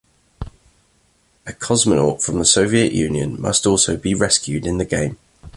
A cosmonaut from the Soviet Union must also be rescued in the game.